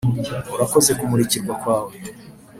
urakoze kumurikirwa kwawe